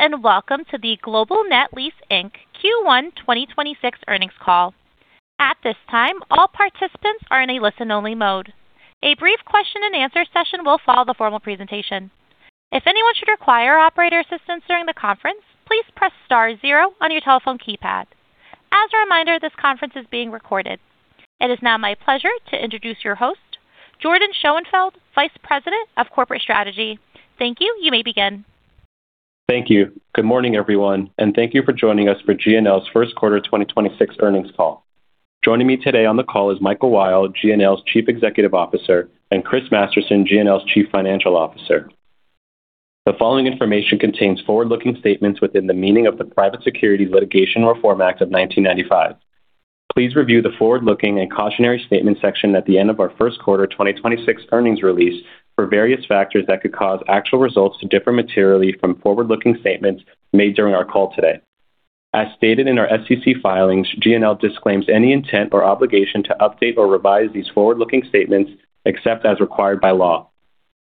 Greetings, welcome to the Global Net Lease, Inc. Q1 2026 earnings call. At this time, all participants are in a listen-only mode. A brief question-and-answer session will follow the formal presentation. If anyone should require operator assistance during the conference, please press star zero on your telephone keypad. As a reminder, this conference is being recorded. It is now my pleasure to introduce your host, Jordyn Schoenfeld, Vice President of Corporate Strategy. Thank you. You may begin. Thank you. Good morning, everyone, and thank you for joining us for GNL's first quarter 2026 earnings call. Joining me today on the call is Michael Weil, GNL's Chief Executive Officer, and Chris Masterson, GNL's Chief Financial Officer. The following information contains forward-looking statements within the meaning of the Private Securities Litigation Reform Act of 1995. Please review the forward-looking and cautionary statement section at the end of our first quarter 2026 earnings release for various factors that could cause actual results to differ materially from forward-looking statements made during our call today. As stated in our SEC filings, GNL disclaims any intent or obligation to update or revise these forward-looking statements except as required by law.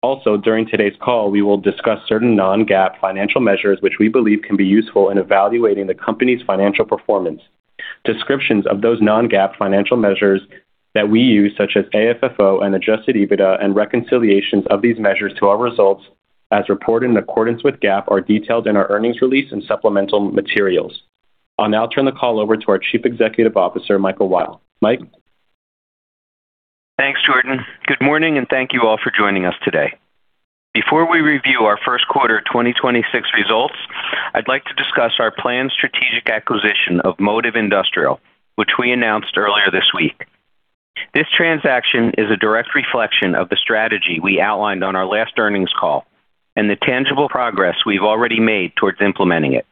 Also, during today's call, we will discuss certain non-GAAP financial measures which we believe can be useful in evaluating the company's financial performance. Descriptions of those non-GAAP financial measures that we use, such as AFFO and Adjusted EBITDA, and reconciliations of these measures to our results as reported in accordance with GAAP, are detailed in our earnings release and supplemental materials. I'll now turn the call over to our Chief Executive Officer, Michael Weil. Mike? Thanks, Jordyn. Good morning, thank you all for joining us today. Before we review our first quarter 2026 results, I'd like to discuss our planned strategic acquisition of Modiv Industrial, which we announced earlier this week. This transaction is a direct reflection of the strategy we outlined on our last earnings call and the tangible progress we've already made towards implementing it.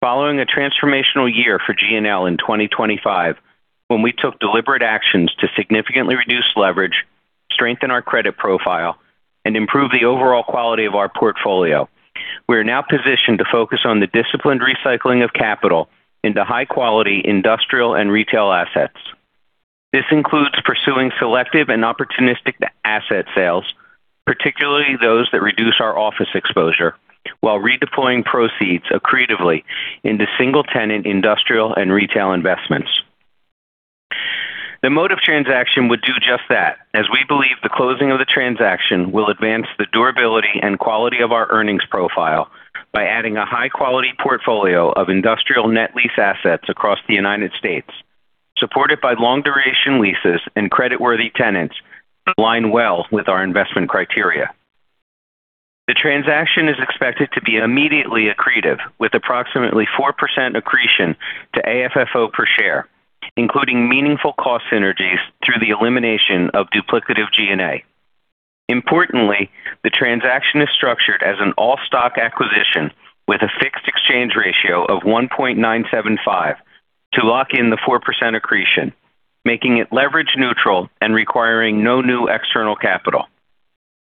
Following a transformational year for GNL in 2025, when we took deliberate actions to significantly reduce leverage, strengthen our credit profile, and improve the overall quality of our portfolio, we are now positioned to focus on the disciplined recycling of capital into high-quality industrial and retail assets. This includes pursuing selective and opportunistic asset sales, particularly those that reduce our office exposure, while redeploying proceeds accretively into single-tenant industrial and retail investments. The Modiv transaction would do just that, as we believe the closing of the transaction will advance the durability and quality of our earnings profile by adding a high-quality portfolio of industrial net lease assets across the U.S., supported by long-duration leases and creditworthy tenants align well with our investment criteria. The transaction is expected to be immediately accretive, with approximately 4% accretion to AFFO per share, including meaningful cost synergies through the elimination of duplicative G&A. Importantly, the transaction is structured as an all-stock acquisition with a fixed exchange ratio of 1.975 to lock in the 4% accretion, making it leverage neutral and requiring no new external capital.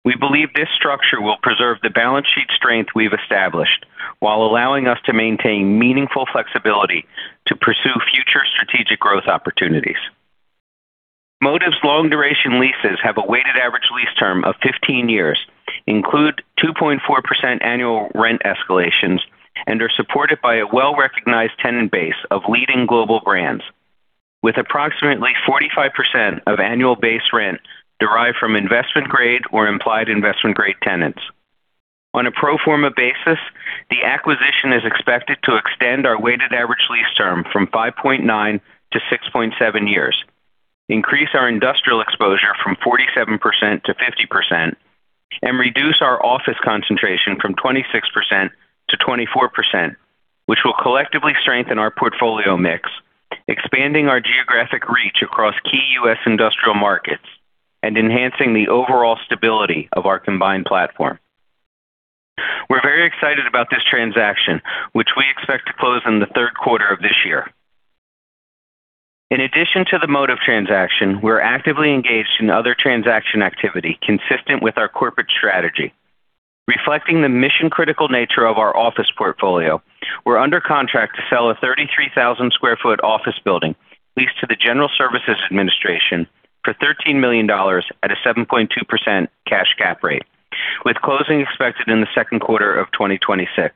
We believe this structure will preserve the balance sheet strength we've established while allowing us to maintain meaningful flexibility to pursue future strategic growth opportunities. Modiv's long-duration leases have a weighted average lease term of 15 years, include 2.4% annual rent escalations, and are supported by a well-recognized tenant base of leading global brands, with approximately 45% of annual base rent derived from investment-grade or implied investment-grade tenants. On a pro forma basis, the acquisition is expected to extend our weighted average lease term from 5.9 to 6.7 years, increase our industrial exposure from 47% to 50%, and reduce our office concentration from 26% to 24%, which will collectively strengthen our portfolio mix, expanding our geographic reach across key U.S. industrial markets and enhancing the overall stability of our combined platform. We're very excited about this transaction, which we expect to close in the third quarter of this year. In addition to the Modiv transaction, we're actively engaged in other transaction activity consistent with our corporate strategy. Reflecting the mission-critical nature of our office portfolio, we're under contract to sell a 33,000 square foot office building leased to the General Services Administration for $13 million at a 7.2% cash cap rate, with closing expected in the second quarter of 2026.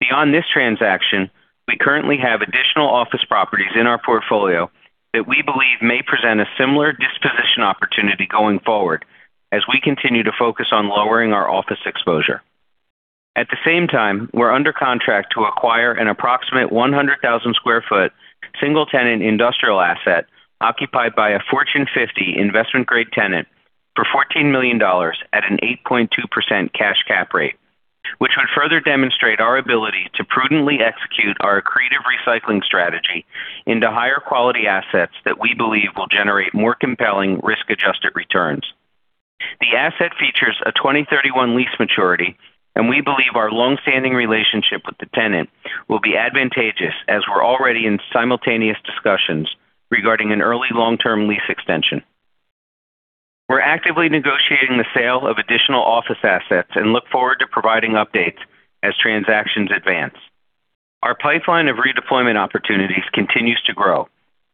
Beyond this transaction, we currently have additional office properties in our portfolio that we believe may present a similar disposition opportunity going forward as we continue to focus on lowering our office exposure. At the same time, we're under contract to acquire an approximate 100,000 square foot single-tenant industrial asset occupied by a Fortune 50 investment-grade tenant for $14 million at an 8.2% cash cap rate, which would further demonstrate our ability to prudently execute our accretive recycling strategy into higher quality assets that we believe will generate more compelling risk-adjusted returns. The asset features a 2031 lease maturity, and we believe our longstanding relationship with the tenant will be advantageous as we're already in simultaneous discussions regarding an early long-term lease extension. We're actively negotiating the sale of additional office assets and look forward to providing updates as transactions advance. Our pipeline of redeployment opportunities continues to grow,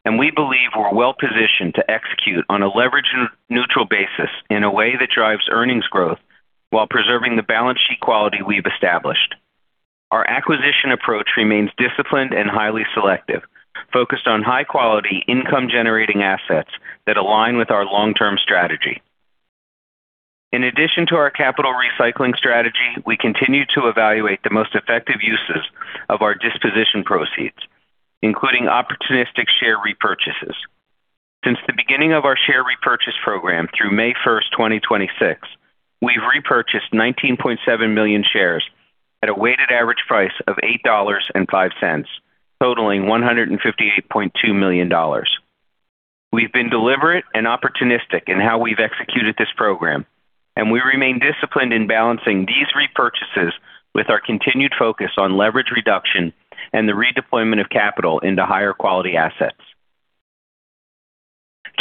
and we believe we're well-positioned to execute on a leverage net-neutral basis in a way that drives earnings growth while preserving the balance sheet quality we've established. Our acquisition approach remains disciplined and highly selective, focused on high-quality income-generating assets that align with our long-term strategy. In addition to our capital recycling strategy, we continue to evaluate the most effective uses of our disposition proceeds, including opportunistic share repurchases. Since the beginning of our share repurchase program through May 1, 2026, we've repurchased 19.7 million shares at a weighted average price of $8.05, totaling $158.2 million. We've been deliberate and opportunistic in how we've executed this program, and we remain disciplined in balancing these repurchases with our continued focus on leverage reduction and the redeployment of capital into higher quality assets.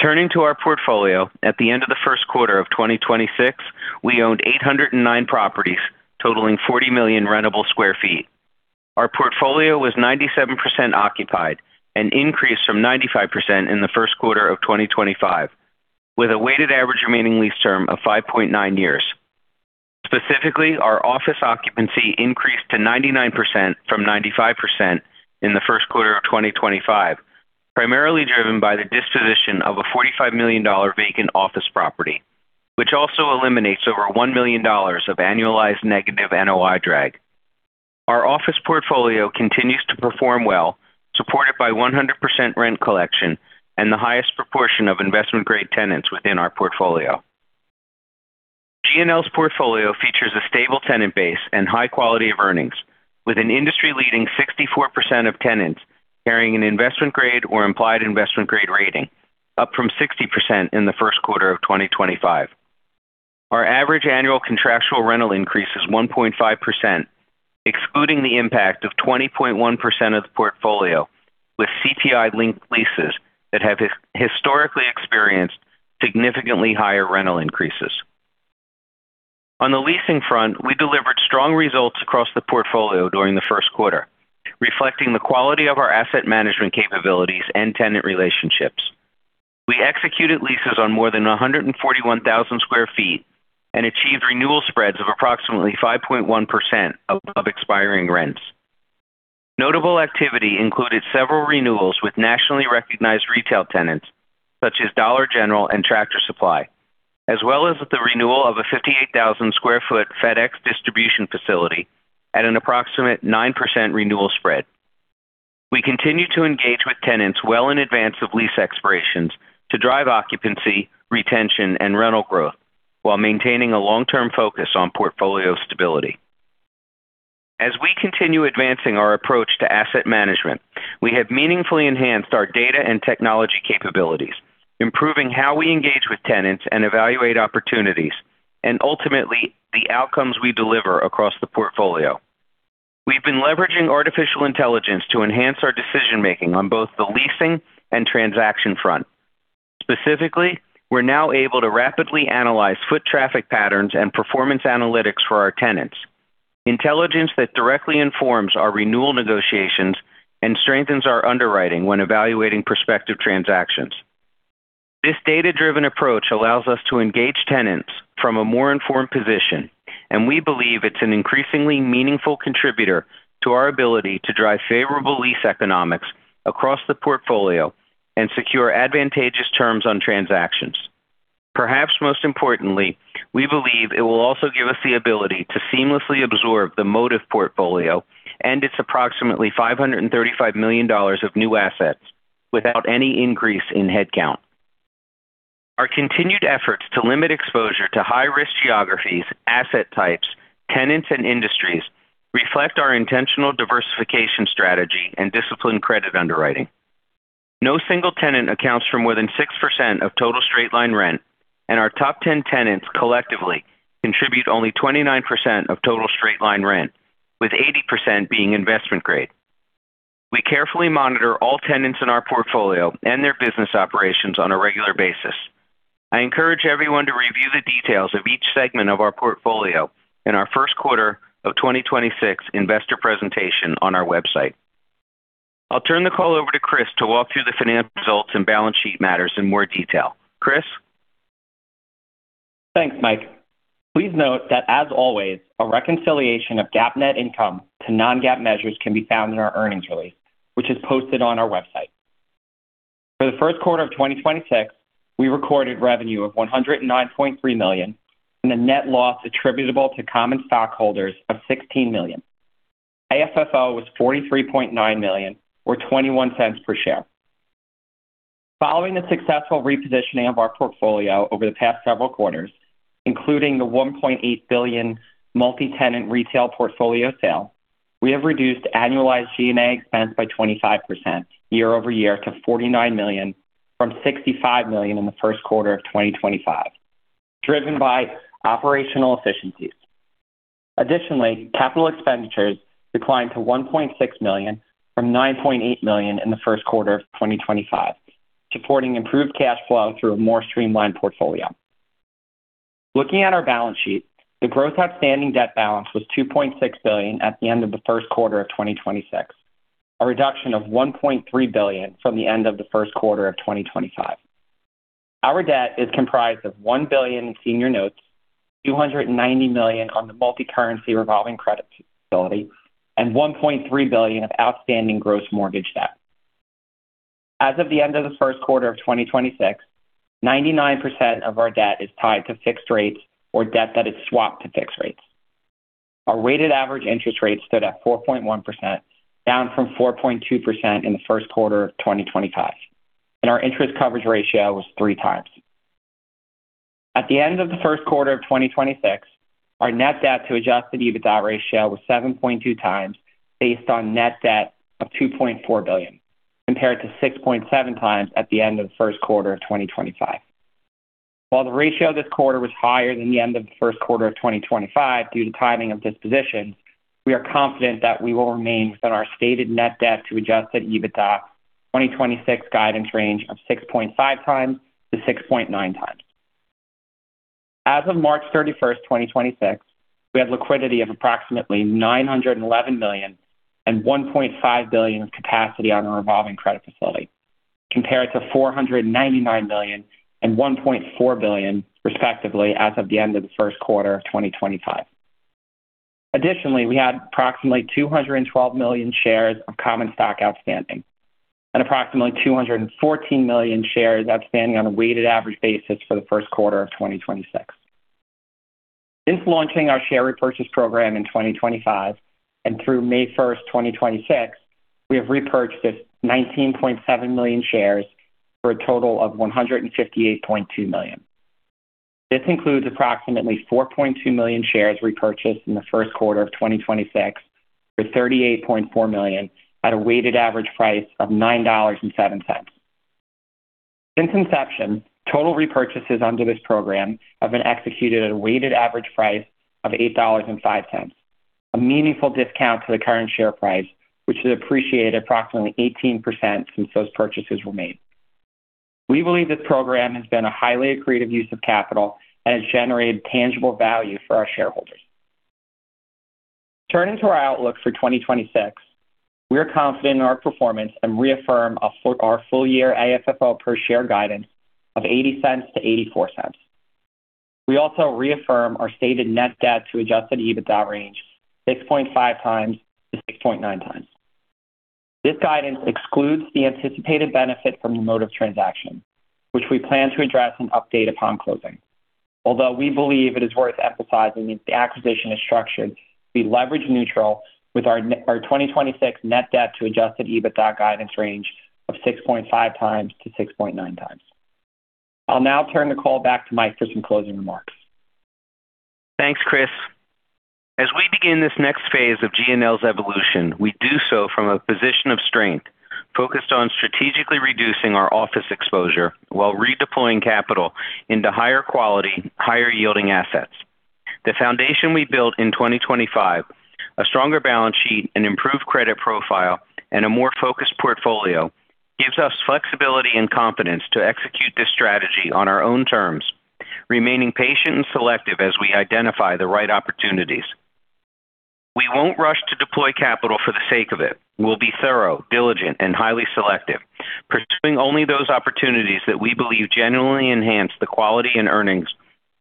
Turning to our portfolio, at the end of the first quarter of 2026, we owned 809 properties totaling 40 million rentable sq ft. Our portfolio was 97% occupied, an increase from 95% in the first quarter of 2025, with a weighted average remaining lease term of 5.9 years. Specifically, our office occupancy increased to 99% from 95% in the first quarter of 2025, primarily driven by the disposition of a $45 million vacant office property, which also eliminates over $1 million of annualized negative NOI drag. Our office portfolio continues to perform well, supported by 100% rent collection and the highest proportion of investment-grade tenants within our portfolio. GNL's portfolio features a stable tenant base and high quality of earnings, with an industry-leading 64% of tenants carrying an investment-grade or implied investment-grade rating, up from 60% in the first quarter of 2025. Our average annual contractual rental increase is 1.5%, excluding the impact of 20.1% of the portfolio, with CPI-linked leases that have historically experienced significantly higher rental increases. On the leasing front, we delivered strong results across the portfolio during the first quarter, reflecting the quality of our asset management capabilities and tenant relationships. We executed leases on more than 141,000 sq ft and achieved renewal spreads of approximately 5.1% above expiring rents. Notable activity included several renewals with nationally recognized retail tenants, such as Dollar General and Tractor Supply, as well as the renewal of a 58,000 sq ft FedEx distribution facility at an approximate 9% renewal spread. We continue to engage with tenants well in advance of lease expirations to drive occupancy, retention, and rental growth while maintaining a long-term focus on portfolio stability. As we continue advancing our approach to asset management, we have meaningfully enhanced our data and technology capabilities, improving how we engage with tenants and evaluate opportunities, and ultimately the outcomes we deliver across the portfolio. We've been leveraging artificial intelligence to enhance our decision-making on both the leasing and transaction front. Specifically, we're now able to rapidly analyze foot traffic patterns and performance analytics for our tenants. Intelligence that directly informs our renewal negotiations and strengthens our underwriting when evaluating prospective transactions. This data-driven approach allows us to engage tenants from a more informed position, and we believe it's an increasingly meaningful contributor to our ability to drive favorable lease economics across the portfolio and secure advantageous terms on transactions. Perhaps most importantly, we believe it will also give us the ability to seamlessly absorb the Modiv portfolio and its approximately $535 million of new assets without any increase in headcount. Our continued efforts to limit exposure to high-risk geographies, asset types, tenants, and industries reflect our intentional diversification strategy and disciplined credit underwriting. No single tenant accounts for more than 6% of total straight-line rent, and our top 10 tenants collectively contribute only 29% of total straight-line rent, with 80% being investment-grade. We carefully monitor all tenants in our portfolio and their business operations on a regular basis. I encourage everyone to review the details of each segment of our portfolio in our first quarter of 2026 investor presentation on our website. I'll turn the call over to Chris to walk through the financial results and balance sheet matters in more detail. Chris? Thanks, Mike. Please note that as always, a reconciliation of GAAP net income to non-GAAP measures can be found in our earnings release, which is posted on our website. For the first quarter of 2026, we recorded revenue of $109.3 million, and a net loss attributable to common stockholders of $16 million. AFFO was $43.9 million or $0.21 per share. Following the successful repositioning of our portfolio over the past several quarters, including the $1.8 billion multi-tenant retail portfolio sale, we have reduced annualized G&A expense by 25% year-over-year to $49 million from $65 million in the first quarter of 2025, driven by operational efficiencies. Additionally, capital expenditures declined to $1.6 million from $9.8 million in the first quarter of 2025, supporting improved cash flow through a more streamlined portfolio. Looking at our balance sheet, the gross outstanding debt balance was $2.6 billion at the end of the first quarter of 2026, a reduction of $1.3 billion from the end of the first quarter of 2025. Our debt is comprised of $1 billion in senior notes, $290 million on the multicurrency revolving credit facility, and $1.3 billion of outstanding gross mortgage debt. As of the end of the first quarter of 2026, 99% of our debt is tied to fixed rates or debt that is swapped to fixed rates. Our weighted average interest rate stood at 4.1%, down from 4.2% in the first quarter of 2025, and our interest coverage ratio was 3x. At the end of the first quarter of 2026, our net debt to Adjusted EBITDA ratio was 7.2x based on net debt of $2.4 billion, compared to 6.7x at the end of the first quarter of 2025. While the ratio this quarter was higher than the end of the first quarter of 2025 due to timing of dispositions, we are confident that we will remain within our stated net debt to Adjusted EBITDA 2026 guidance range of 6.5x-6.9x. As of March 31st, 2026, we have liquidity of approximately $911 million and $1.5 billion of capacity on our revolving credit facility, compared to $499 million and $1.4 billion, respectively, as of the end of the first quarter of 2025. Additionally, we had approximately 212 million shares of common stock outstanding and approximately 214 million shares outstanding on a weighted average basis for the first quarter of 2026. Since launching our share repurchase program in 2025 and through May 1st, 2026, we have repurchased 19.7 million shares for a total of $158.2 million. This includes approximately 4.2 million shares repurchased in the 1st quarter of 2026 for $38.4 million at a weighted average price of $9.07. Since inception, total repurchases under this program have been executed at a weighted average price of $8.05, a meaningful discount to the current share price, which has appreciated approximately 18% since those purchases were made. We believe this program has been a highly accretive use of capital and has generated tangible value for our shareholders. Turning to our outlook for 2026, we are confident in our performance and reaffirm our full year AFFO per share guidance of $0.80-$0.84. We also reaffirm our stated net debt to Adjusted EBITDA range 6.5x-6.9x. This guidance excludes the anticipated benefit from the Modiv transaction, which we plan to address and update upon closing. Although we believe it is worth emphasizing that the acquisition is structured to be leverage neutral with our 2026 net debt to Adjusted EBITDA guidance range of 6.5x-6.9x. I'll now turn the call back to Mike for some closing remarks. Thanks, Chris. As we begin this next phase of GNL's evolution, we do so from a position of strength, focused on strategically reducing our office exposure while redeploying capital into higher quality, higher yielding assets. The foundation we built in 2025, a stronger balance sheet, an improved credit profile, and a more focused portfolio, gives us flexibility and confidence to execute this strategy on our own terms, remaining patient and selective as we identify the right opportunities. We won't rush to deploy capital for the sake of it. We'll be thorough, diligent, and highly selective, pursuing only those opportunities that we believe genuinely enhance the quality and earnings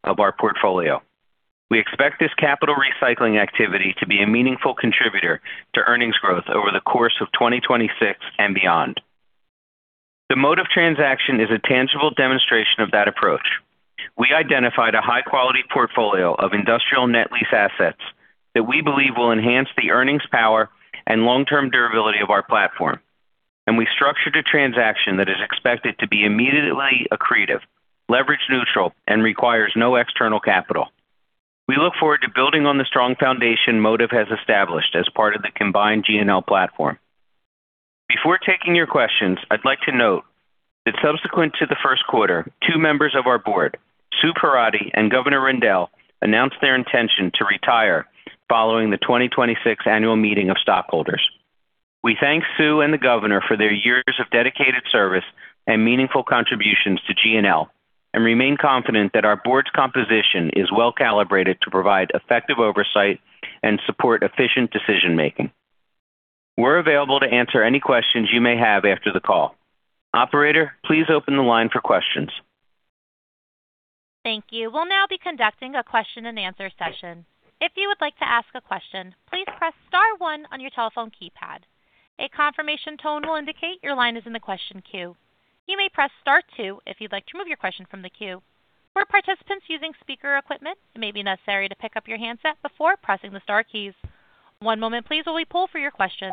of our portfolio. We expect this capital recycling activity to be a meaningful contributor to earnings growth over the course of 2026 and beyond. The Modiv transaction is a tangible demonstration of that approach. We identified a high quality portfolio of industrial net lease assets that we believe will enhance the earnings power and long-term durability of our platform, and we structured a transaction that is expected to be immediately accretive, leverage neutral, and requires no external capital. We look forward to building on the strong foundation Modiv has established as part of the combined GNL platform. Before taking your questions, I'd like to note that subsequent to the first quarter, two members of our board, Sue Perrotty and Governor Rendell, announced their intention to retire following the 2026 annual meeting of stockholders. We thank Sue and the Governor for their years of dedicated service and meaningful contributions to GNL and remain confident that our board's composition is well-calibrated to provide effective oversight and support efficient decision-making. We're available to answer any questions you may have after the call. Operator, please open the line for questions. Thank you. We'll now be conducting a question-and-answer session. I you would like to ask question please press star one on your telephone keypad a confirmation tone will indicate you line is on the question queue. You may press star two if you like to remove your question from the queue all participant using speaker equipment you may necessarily pickup handset before pressing the star key. One moment as we pause for the question.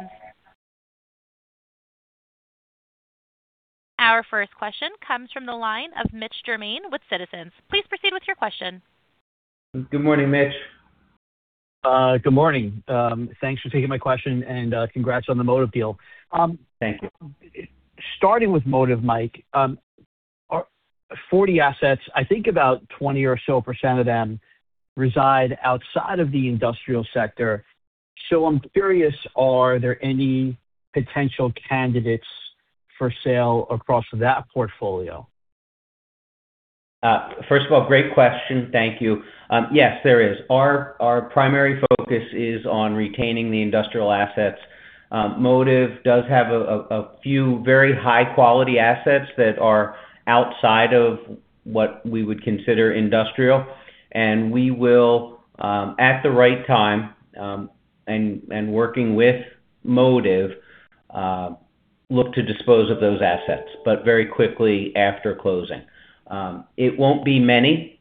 Our first question comes from the line of Mitch Germain with Citizens. Please proceed with your question. Good morning, Mitch. Good morning. Thanks for taking my question, and congrats on the Modiv deal. Thank you. Starting with Modiv, Mike, our 40 assets, I think about 20 year so percent of them reside outside of the industrial sector. I'm curious, are there any potential candidates for sale across that portfolio? First of all, great question. Thank you. Yes, there is. Our primary focus is on retaining the industrial assets. Modiv does have a few very high quality assets that are outside of what we would consider industrial. We will, at the right time, and working with Modiv, look to dispose of those assets, but very quickly after closing. It won't be many.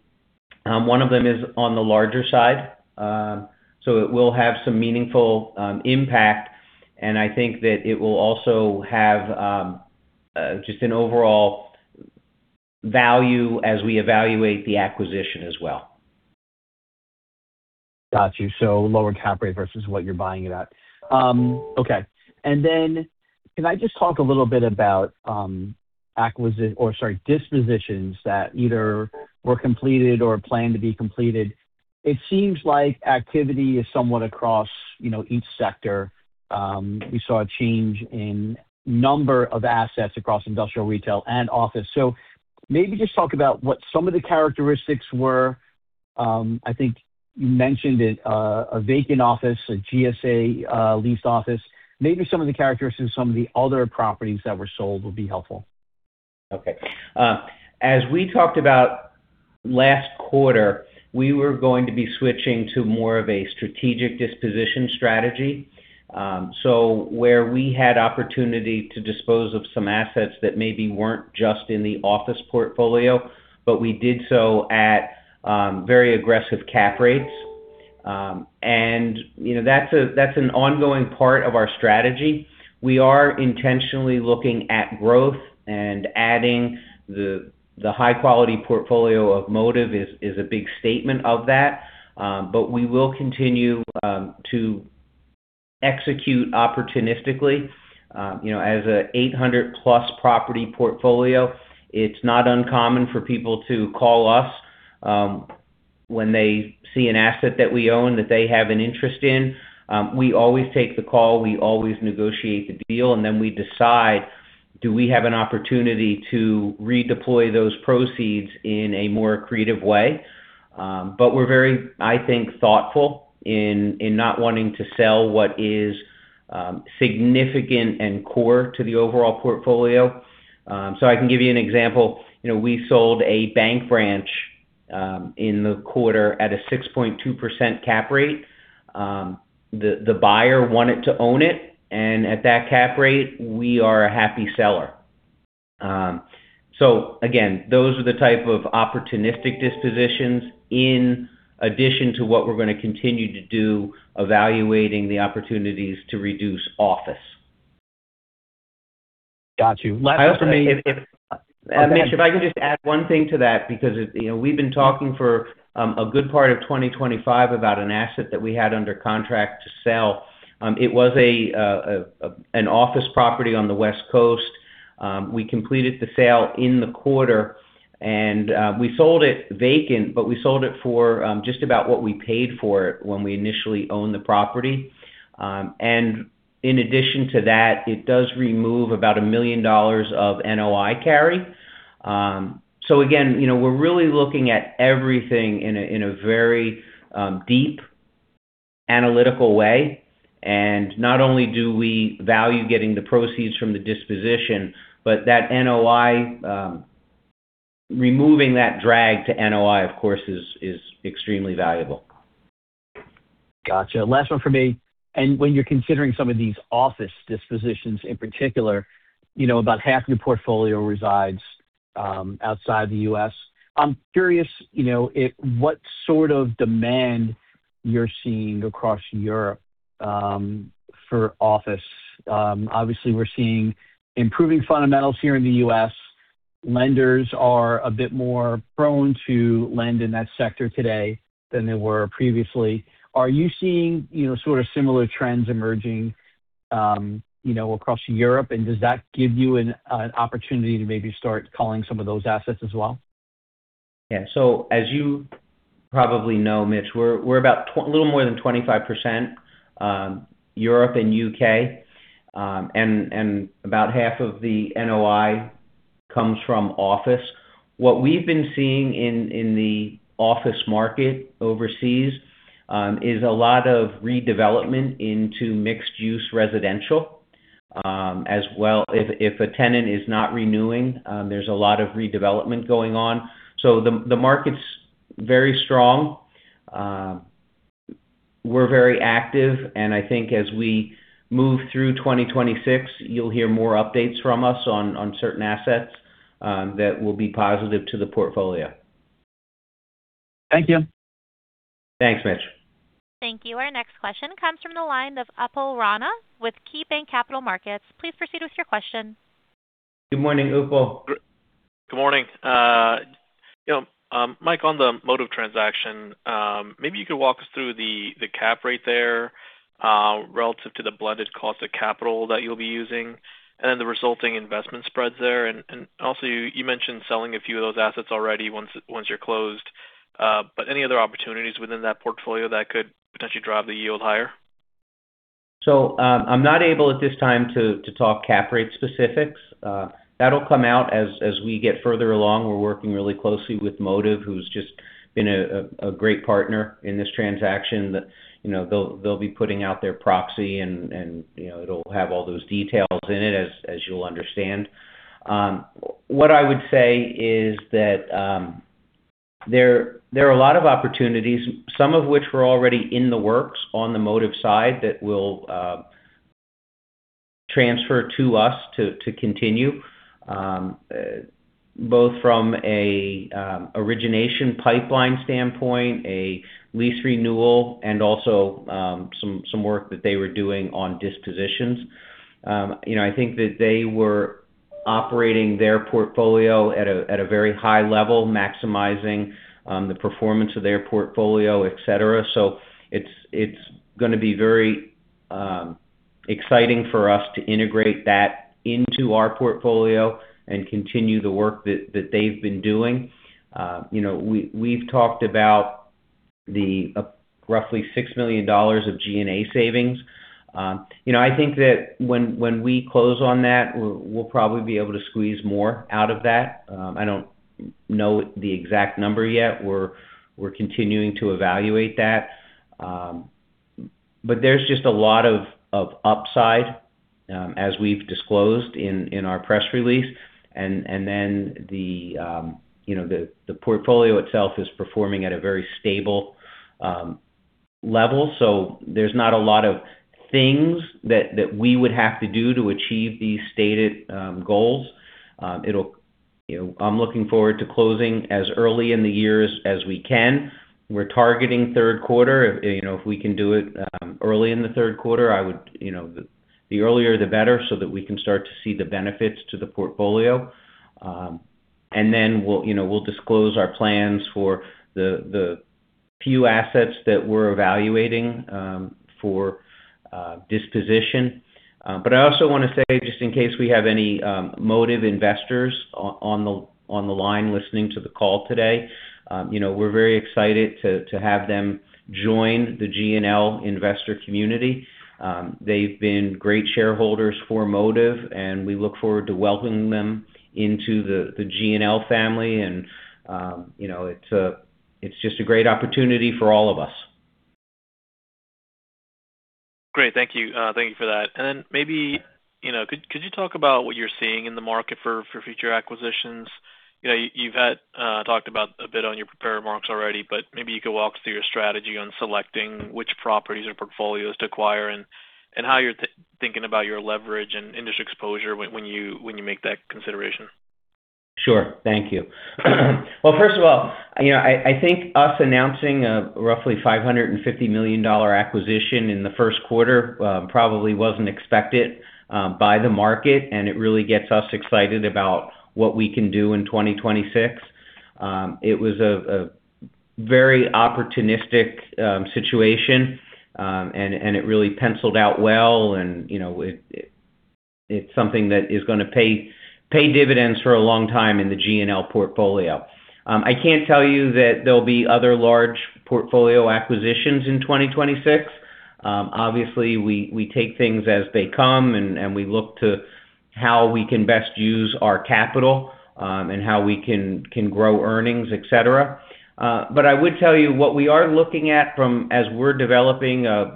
One of them is on the larger side. It will have some meaningful impact, and I think that it will also have just an overall value as we evaluate the acquisition as well. Got you. Lower cap rate versus what you're buying it at. Okay. Can I just talk a little bit about dispositions that either were completed or plan to be completed? It seems like activity is somewhat across, you know, each sector. We saw a change in number of assets across industrial, retail, and office. Maybe just talk about what some of the characteristics were. I think you mentioned it, a vacant office, a GSA leased office. Maybe some of the characteristics of some of the other properties that were sold would be helpful. Okay. As we talked about last quarter, we were going to be switching to more of a strategic disposition strategy. Where we had opportunity to dispose of some assets that maybe weren't just in the office portfolio, but we did so at very aggressive cap rates. You know, that's an ongoing part of our strategy. We are intentionally looking at growth and adding the high quality portfolio of Modiv is a big statement of that. We will continue to execute opportunistically. You know, as a 800+ property portfolio, it's not uncommon for people to call us when they see an asset that we own that they have an interest in. We always take the call, we always negotiate the deal, and then we decide, do we have an opportunity to redeploy those proceeds in a more creative way? We're very, I think, thoughtful in not wanting to sell what is significant and core to the overall portfolio. I can give you an example. You know, we sold a bank branch in the quarter at a 6.2% cap rate. The buyer wanted to own it, and at that cap rate, we are a happy seller. Again, those are the type of opportunistic dispositions in addition to what we're gonna continue to do, evaluating the opportunities to reduce office. Got you. Last one for me. Mitch, if I can just add one thing to that, you know, we've been talking for a good part of 2025 about an asset that we had under contract to sell. It was an office property on the West Coast. We completed the sale in the quarter, and we sold it vacant, but we sold it for just about what we paid for it when we initially owned the property. In addition to that, it does remove about $1 million of NOI carry. Again, you know, we're really looking at everything in a very deep analytical way. Not only do we value getting the proceeds from the disposition, but that NOI, removing that drag to NOI, of course, is extremely valuable. Gotcha. Last one for me. When you're considering some of these office dispositions, in particular, you know, about half the portfolio resides outside the U.S. I'm curious, you know, what sort of demand you're seeing across Europe for office. Obviously we're seeing improving fundamentals here in the U.S. Lenders are a bit more prone to lend in that sector today than they were previously. Are you seeing, you know, sort of similar trends emerging, you know, across Europe? Does that give you an opportunity to maybe start culling some of those assets as well? As you probably know, Mitch, we're about a little more than 25% Europe and U.K. About half of the NOI comes from office. What we've been seeing in the office market overseas is a lot of redevelopment into mixed use residential as well. If a tenant is not renewing, there's a lot of redevelopment going on. The market's very strong. We're very active, and I think as we move through 2026, you'll hear more updates from us on certain assets that will be positive to the portfolio. Thank you. Thanks, Mitch. Thank you. Our next question comes from the line of Upal Rana with KeyBanc Capital Markets. Please proceed with your question. Good morning, Upal. Good morning. You know, Mike, on the Modiv transaction, maybe you could walk us through the cap rate there relative to the blended cost of capital that you'll be using and then the resulting investment spreads there. Also you mentioned selling a few of those assets already once you're closed. Any other opportunities within that portfolio that could potentially drive the yield higher? I'm not able at this time to talk cap rate specifics. That'll come out as we get further along. We're working really closely with Modiv, who's just been a great partner in this transaction that, you know, they'll be putting out their proxy, and, you know, it'll have all those details in it, as you'll understand. What I would say is that there are a lot of opportunities, some of which were already in the works on the Modiv side that will transfer to us to continue both from a origination pipeline standpoint, a lease renewal, and also some work that they were doing on dispositions. You know, I think that they were operating their portfolio at a very high level, maximizing the performance of their portfolio, et cetera. It's gonna be very exciting for us to integrate that into our portfolio and continue the work that they've been doing. You know, we've talked about the roughly $6 million of G&A savings. You know, I think that when we close on that, we'll probably be able to squeeze more out of that. I don't know the exact number yet. We're continuing to evaluate that. There's just a lot of upside as we've disclosed in our press release. Then the, you know, the portfolio itself is performing at a very stable level. There's not a lot of things that we would have to do to achieve these stated goals. You know, I'm looking forward to closing as early in the year as we can. We're targeting third quarter. If, you know, if we can do it early in the third quarter, You know, the earlier, the better, so that we can start to see the benefits to the portfolio. We'll, you know, we'll disclose our plans for the few assets that we're evaluating for disposition. I also wanna say, just in case we have any Modiv investors on the line listening to the call today, you know, we're very excited to have them join the GNL investor community. They've been great shareholders for Modiv, and we look forward to welcoming them into the GNL family. You know, it's just a great opportunity for all of us. Great. Thank you. Thank you for that. Maybe, you know, could you talk about what you're seeing in the market for future acquisitions? You know, you've had talked about a bit on your prepared remarks already, but maybe you could walk through your strategy on selecting which properties or portfolios to acquire and how you're thinking about your leverage and industry exposure when you make that consideration. Sure. Thank you. Well, first of all, you know, I think us announcing a roughly $550 million acquisition in the first quarter, probably wasn't expected by the market, and it really gets us excited about what we can do in 2026. It was a very opportunistic situation. It really penciled out well. You know, it's something that is gonna pay dividends for a long time in the GNL portfolio. I can't tell you that there'll be other large portfolio acquisitions in 2026. Obviously, we take things as they come, and we look to how we can best use our capital, and how we can grow earnings, et cetera. I would tell you what we are looking at as we're developing a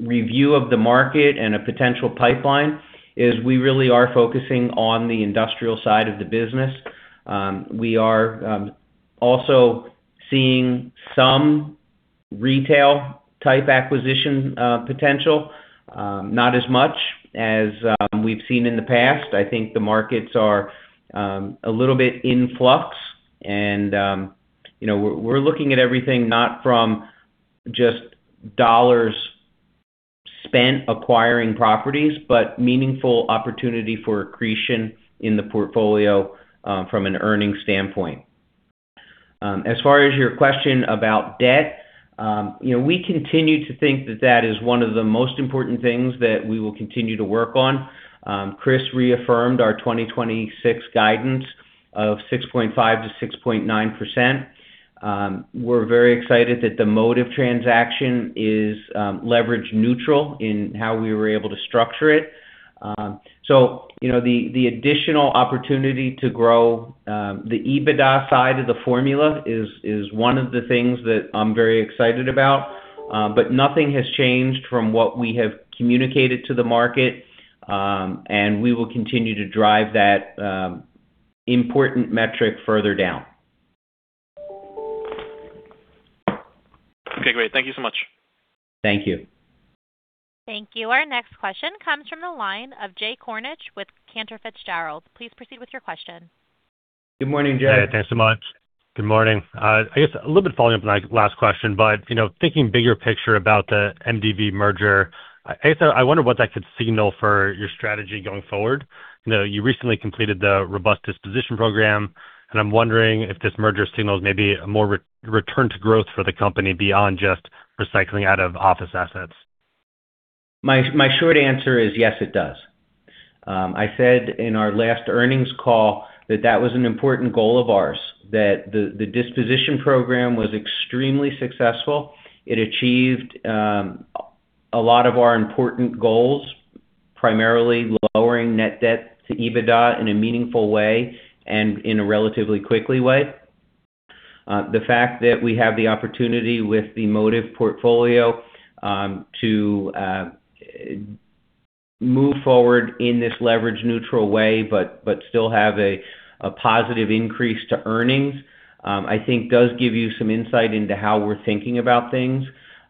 review of the market and a potential pipeline, is we really are focusing on the industrial side of the business. We are also seeing some retail type acquisition potential. Not as much as we've seen in the past. I think the markets are a little bit in flux. You know, we're looking at everything not from just dollars spent acquiring properties, but meaningful opportunity for accretion in the portfolio from an earnings standpoint. As far as your question about debt, you know, we continue to think that that is one of the most important things that we will continue to work on. Chris reaffirmed our 2026 guidance of 6.5%-6.9%. We're very excited that the Modiv transaction is leverage neutral in how we were able to structure it. You know, the additional opportunity to grow the EBITDA side of the formula is one of the things that I'm very excited about. Nothing has changed from what we have communicated to the market. We will continue to drive that important metric further down. Okay, great. Thank you so much. Thank you. Thank you. Our next question comes from the line of Jay Kornreich with Cantor Fitzgerald. Please proceed with your question. Good morning, Jay. Yeah. Thanks so much. Good morning. I guess a little bit following up on that last question, you know, thinking bigger picture about the MDV merger, I guess, I wonder what that could signal for your strategy going forward. You know, you recently completed the robust disposition program, I'm wondering if this merger signals maybe a more re-return to growth for the company beyond just recycling out of office assets. My short answer is yes, it does. I said in our last earnings call that that was an important goal of ours, that the disposition program was extremely successful. It achieved a lot of our important goals, primarily lowering net debt to EBITDA in a meaningful way and in a relatively quickly way. The fact that we have the opportunity with the Modiv portfolio to move forward in this leverage neutral way, but still have a positive increase to earnings, I think does give you some insight into how we're thinking about things.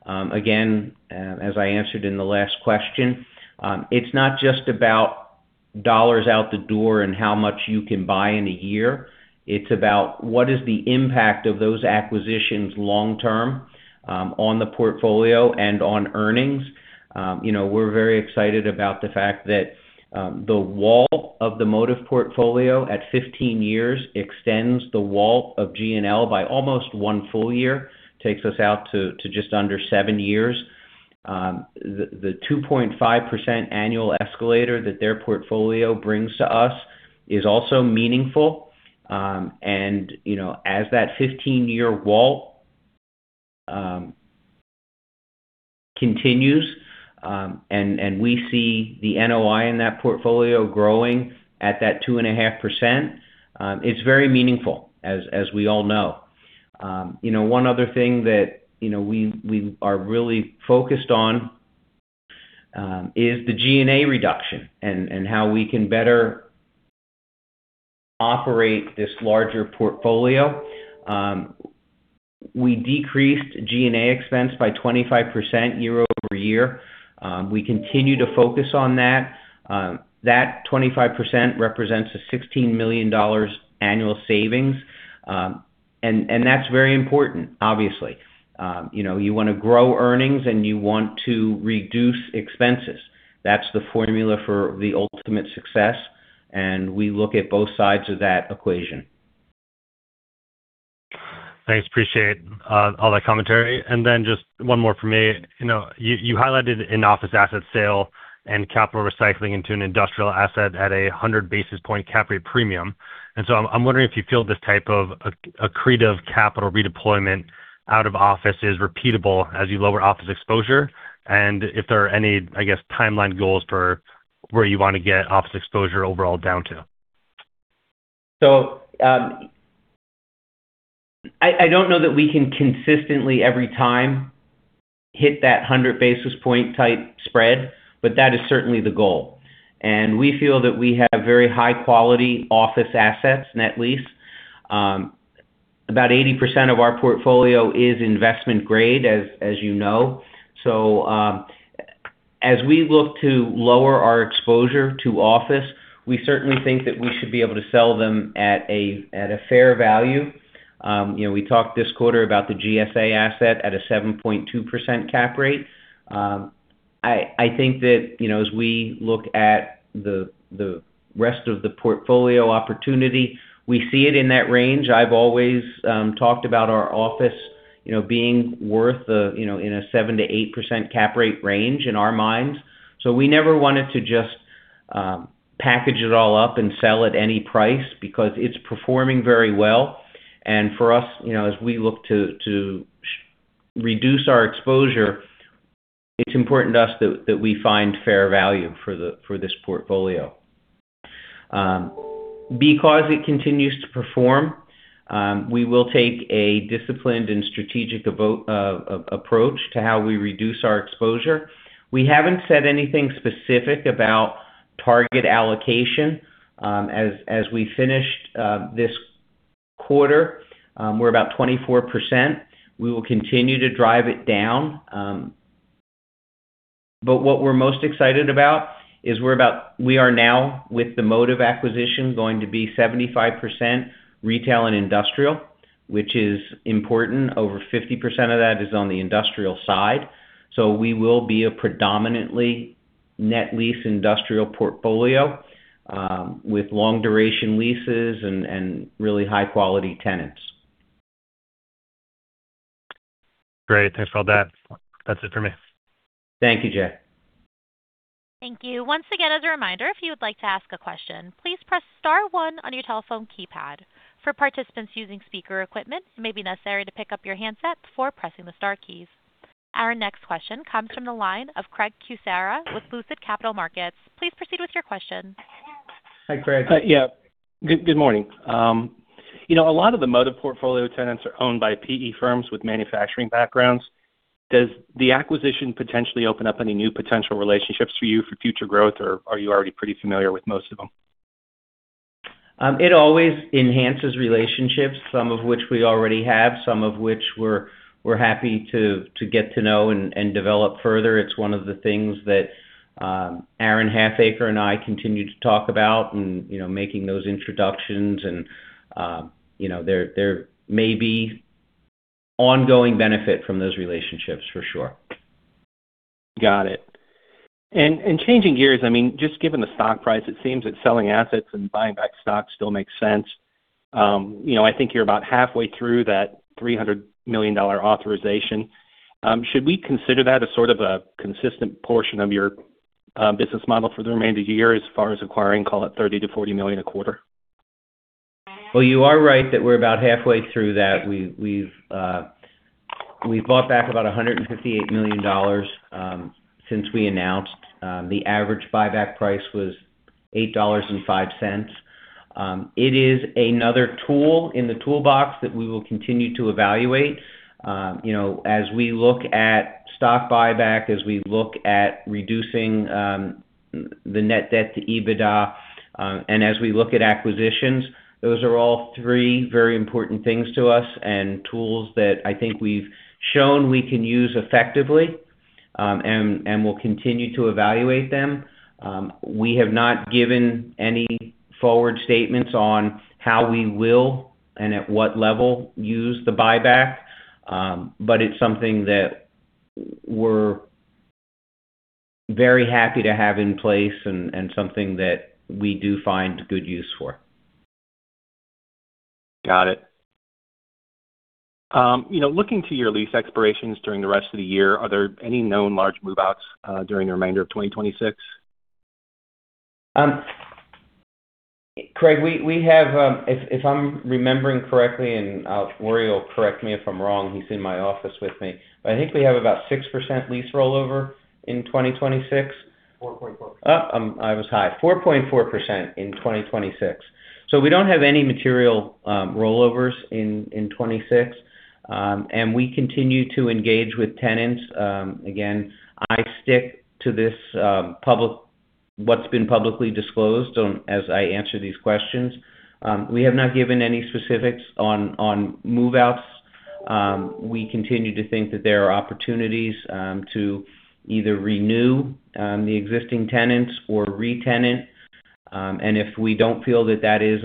Again, as I answered in the last question, it's not just about dollars out the door and how much you can buy in a year. It's about what is the impact of those acquisitions long-term on the portfolio and on earnings. you know, we're very excited about the fact that the WALT of the Modiv portfolio at 15 years extends the WALT of GNL by almost 1 full year. Takes us out to just under 7 years. The 2.5% annual escalator that their portfolio brings to us is also meaningful. And, you know, as that 15-year WALT continues, and we see the NOI in that portfolio growing at that 2.5%, it's very meaningful, as we all know. you know, one other thing that, you know, we are really focused on is the G&A reduction and how we can better operate this larger portfolio. We decreased G&A expense by 25% year-over-year. We continue to focus on that. That 25% represents a $16 million annual savings, and that's very important, obviously. You know, you wanna grow earnings and you want to reduce expenses. That's the formula for the ultimate success. We look at both sides of that equation. Thanks. Appreciate all that commentary. Just one more from me. You know, you highlighted in-office asset sale and capital recycling into an industrial asset at a 100 basis point cap rate premium. I'm wondering if you feel this type of accretive capital redeployment out of office is repeatable as you lower office exposure, and if there are any, I guess, timeline goals for where you wanna get office exposure overall down to. I don't know that we can consistently, every time, hit that 100 basis point type spread, but that is certainly the goal. We feel that we have very high-quality office assets, net lease. About 80% of our portfolio is investment grade, as you know. As we look to lower our exposure to office, we certainly think that we should be able to sell them at a fair value. You know, we talked this quarter about the GSA asset at a 7.2% cap rate. I think that, you know, as we look at the rest of the portfolio opportunity, we see it in that range. I've always talked about our office, you know, being worth, you know, in a 7%-8% cap rate range in our minds. We never wanted to just package it all up and sell at any price because it's performing very well. For us, you know, as we look to reduce our exposure, it's important to us that we find fair value for this portfolio. Because it continues to perform, we will take a disciplined and strategic approach to how we reduce our exposure. We haven't said anything specific about target allocation. As we finished this quarter, we're about 24%. We will continue to drive it down. What we're most excited about is we are now, with the Modiv acquisition, going to be 75% retail and industrial, which is important. Over 50% of that is on the industrial side. We will be a predominantly net lease industrial portfolio, with long duration leases and really high-quality tenants. Great. Thanks for all that. That's it for me. Thank you, Jay. Thank you. Once again, as a reminder, if you would like to ask a question, please press star one on your telephone keypad. For participants using speaker equipment, it may be necessary to pick up your handset before pressing the star keys. Our next question comes from the line of Craig Kucera with Lucid Capital Markets. Please proceed with your question. Hi, Craig. Yeah. Good, good morning. You know, a lot of the Modiv portfolio tenants are owned by PE firms with manufacturing backgrounds. Does the acquisition potentially open up any new potential relationships for you for future growth, or are you already pretty familiar with most of them? It always enhances relationships, some of which we already have, some of which we're happy to get to know and develop further. It's one of the things that Aaron Halfacre and I continue to talk about and, you know, making those introductions and, you know, there may be ongoing benefit from those relationships for sure. Got it. Changing gears, I mean, just given the stock price, it seems that selling assets and buying back stock still makes sense. You know, I think you're about halfway through that $300 million authorization. Should we consider that as sort of a consistent portion of your business model for the remainder of the year as far as acquiring, call it $30 million-$40 million a quarter? Well, you are right that we're about halfway through that. We've bought back about $158 million since we announced, the average buyback price was $8.05. It is another tool in the toolbox that we will continue to evaluate. You know, as we look at stock buyback, as we look at reducing the net debt to EBITDA, as we look at acquisitions, those are all three very important things to us and tools that I think we've shown we can use effectively, and we'll continue to evaluate them. We have not given any forward statements on how we will and at what level use the buyback, it's something that we're very happy to have in place and something that we do find good use for. Got it. You know, looking to your lease expirations during the rest of the year, are there any known large move-outs during the remainder of 2026? Craig, we have If I'm remembering correctly, and Ori will correct me if I'm wrong, he's in my office with me. I think we have about 6% lease rollover in 2026. 4.4%. I was high. 4.4% in 2026. We don't have any material rollovers in 26. We continue to engage with tenants. Again, I stick to this publicly disclosed as I answer these questions. We have not given any specifics on move-outs. We continue to think that there are opportunities to either renew the existing tenants or retenant. If we don't feel that that is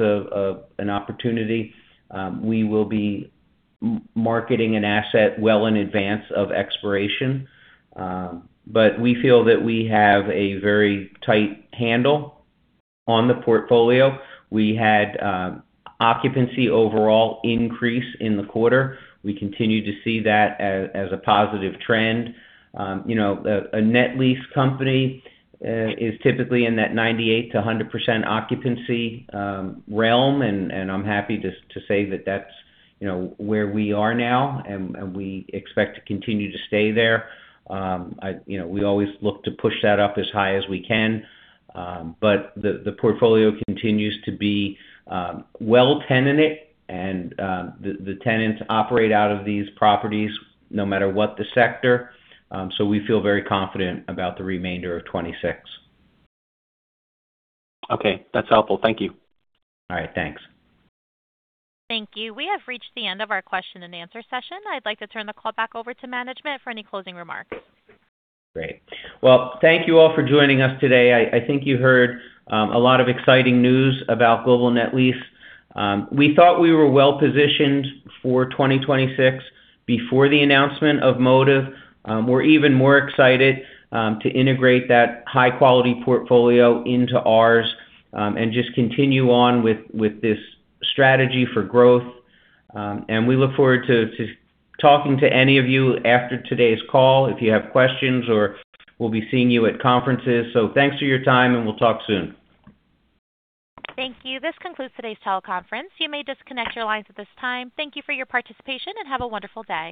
an opportunity, we will be marketing an asset well in advance of expiration. We feel that we have a very tight handle on the portfolio. We had occupancy overall increase in the quarter. We continue to see that as a positive trend. You know, a net lease company is typically in that 98%-100% occupancy realm, and I'm happy to say that that's, you know, where we are now and we expect to continue to stay there. I, you know, we always look to push that up as high as we can. The portfolio continues to be well tenanted and the tenants operate out of these properties no matter what the sector. We feel very confident about the remainder of 2026. Okay. That's helpful. Thank you. All right. Thanks. Thank you. We have reached the end of our question-and-answer session. I'd like to turn the call back over to management for any closing remarks. Great. Well, thank you all for joining us today. I think you heard a lot of exciting news about Global Net Lease. We thought we were well-positioned for 2026 before the announcement of Modiv. We're even more excited to integrate that high-quality portfolio into ours and just continue on with this strategy for growth. We look forward to talking to any of you after today's call if you have questions or we'll be seeing you at conferences. Thanks for your time, and we'll talk soon. Thank you. This concludes today's teleconference. You may disconnect your lines at this time. Thank you for your participation, and have a wonderful day.